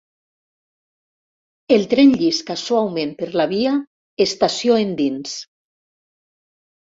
El tren llisca suaument per la via, estació endins.